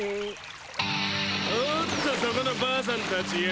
おっとそこのばあさんたちよ。